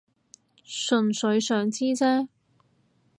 純粹想知啫